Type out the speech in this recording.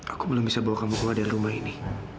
aku belum bisa bawa kamu keluar dari rumah ini